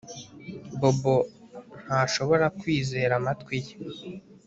Bobo ntashobora kwizera amatwi ye